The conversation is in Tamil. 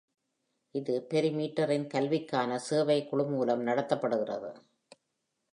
இது பெரிமீட்டரின் கல்விக்கான சேவை குழு மூலம் நடத்தப்படுகிறது.